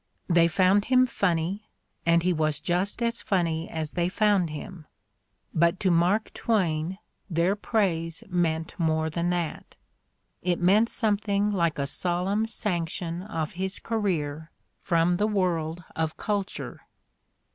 They found him funny, and he was just as funny as they found him ; but to Mark Twain their praise meant more than that ; it meant something like a solemn sanc tion of his career from the world of culture.